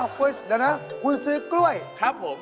อ้าวกล้วยเดี๋ยวนะคุณซื้อกล้วยครับผม